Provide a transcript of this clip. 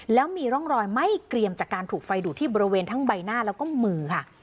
แล้วมีร่องรอยไหม้เกรียมจากการถูกไฟดูดที่บริเวณทั้งใบหน้าแล้วก็มือค่ะ